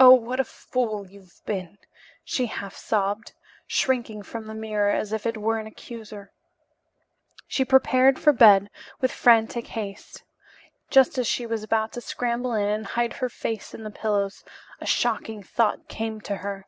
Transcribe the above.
"Oh, what a fool you've been," she half sobbed, shrinking from the mirror as if it were an accuser. She prepared for bed with frantic haste. Just as she was about to scramble in and hide her face in the pillows, a shocking thought came to her.